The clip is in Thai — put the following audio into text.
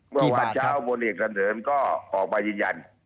เมื่อวานเช้าบนอีกสันเถินก็ออกไปยินยัน